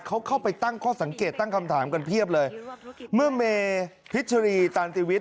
เขาเข้าไปตั้งข้อสังเกตตั้งคำถามกันเพียบเลยเมื่อเมพิชรีตันติวิทย